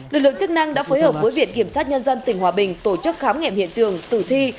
lực lượng chức năng đã phối hợp với viện kiểm sát nhân dân tỉnh hòa bình tổ chức khám nghiệm hiện trường tử thi